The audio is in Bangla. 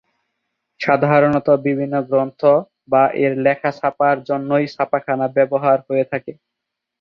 সাধারণত বিভিন্ন গ্রন্থ বা এর লেখা ছাপার জন্যই ছাপাখানা ব্যবহার হয়ে থাকে।